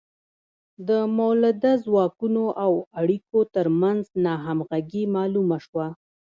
د مؤلده ځواکونو او اړیکو ترمنځ ناهمغږي معلومه شوه.